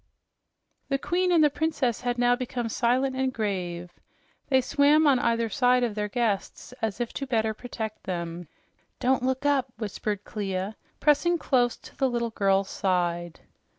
The queen and the princess had now become silent and grave. They swam on either side of their guests as if to better protect them. "Don't look up," whispered Clia, pressing close to the little girl's side.